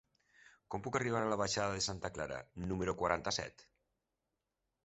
Com puc arribar a la baixada de Santa Clara número quaranta-set?